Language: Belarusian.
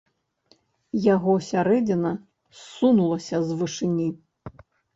Яго сярэдзіна ссунулася з вышыні.